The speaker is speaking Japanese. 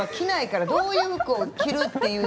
どういう服を着るということ